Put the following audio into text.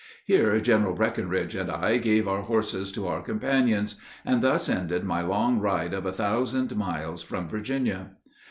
Here General Breckinridge and I gave our horses to our companions, and thus ended my long ride of a thousand miles from Virginia.